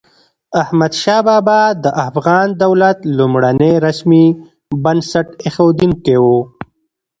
احمد شاه بابا د افغان دولت لومړنی رسمي بنسټ اېښودونکی و.